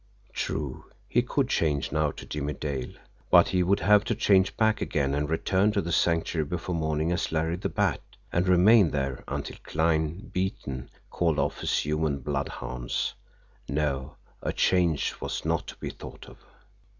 True, he could change now to Jimmie Dale, but he would have to change back again and return to the Sanctuary before morning, as Larry the Bat and remain there until Kline, beaten, called off his human bloodhounds. No, a change was not to be thought of.